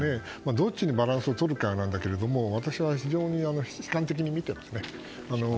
どっちにバランスをとるかなんですが私は非常に悲観的に見てますね。